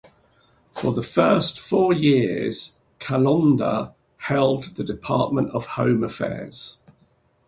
For the first four years, Calonder held the Department of Home Affairs.